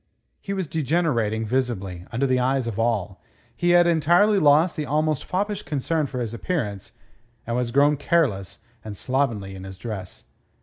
He was degenerating visibly, under the eyes of all. He had entirely lost the almost foppish concern for his appearance, and was grown careless and slovenly in his dress.